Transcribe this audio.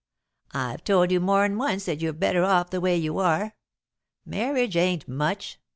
I've told you more 'n once that you're better off the way you are. Marriage ain't much.